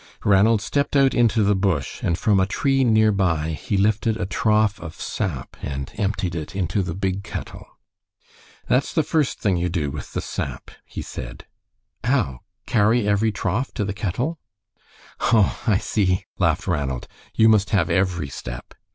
Ranald stepped out into the bush, and from a tree near by he lifted a trough of sap and emptied it into the big kettle. "That's the first thing you do with the sap," he said. "How? Carry every trough to the kettle?" "Oh, I see," laughed Ranald. "You must have every step."